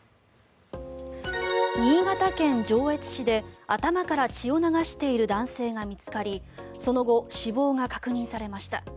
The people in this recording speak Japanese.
新潟県上越市で頭から血を流している男性が見つかりその後死亡が確認されました。